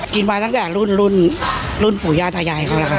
กินมาตั้งแต่รุ่นรุ่นปู่ย่าตายายเขาละครับ